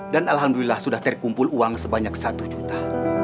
dan alhamdulillah sudah terkumpul uang sebanyak satu juta